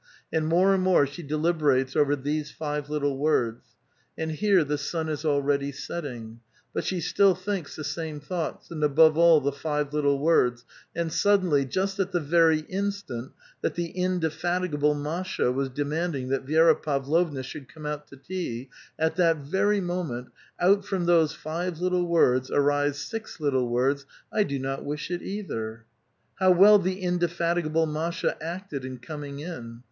And more and more she deliberates over these five little woi*ds. And here the sun is already setting ; but she still thinks the same thoughts, and, above all, the five little words ; and suddenly, just at the very instant that tl)e indefatigable Masha was de manding that Vi^ra Pavlovna should come out to tea, at that very moment, out from those five little words arise six little words, " I do not wish it either." How well the indefatigable Masha acted in coming in